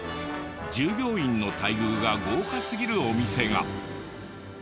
従業員の待遇が豪華すぎるお店が。